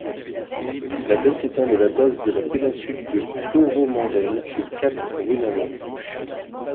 La baie s'étend de la base de la péninsule de Coromandel au cap Runaway.